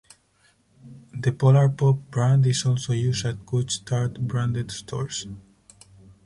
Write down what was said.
The Polar Pop brand is also used at Couche-Tard-branded stores.